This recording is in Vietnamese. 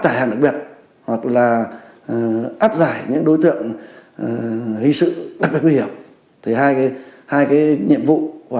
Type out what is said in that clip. tải hàng đặc biệt hoặc là áp giải những đối tượng hình sự đặc biệt thì hai cái hai cái nhiệm vụ và